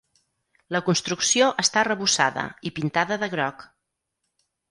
La construcció està arrebossada i pintada de groc.